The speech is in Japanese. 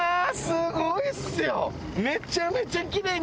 すごいっすよ！